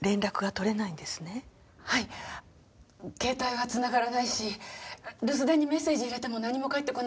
携帯は繋がらないし留守電にメッセージ入れても何も返ってこないし。